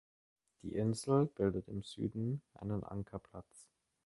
Die Insel bildet im Süden einen Ankerplatz.